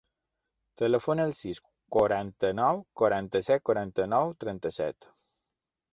Telefona al sis, quaranta-nou, quaranta-set, quaranta-nou, trenta-set.